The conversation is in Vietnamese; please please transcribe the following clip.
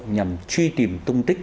nhằm truy tìm tung tích